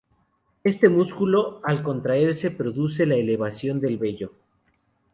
Este músculo, al contraerse, produce la elevación del vello.